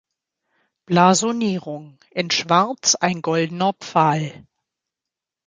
Blasonierung: In Schwarz ein goldener Pfahl.